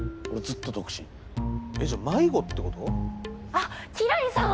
あっ輝星さん！